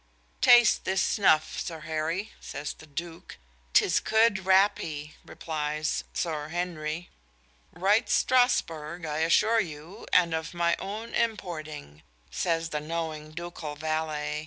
"Taste this snuff, Sir Harry," says the "Duke." "'Tis good rappee," replies "Sir Harry." "Right Strasburgh, I assure you, and of my own importing," says the knowing ducal valet.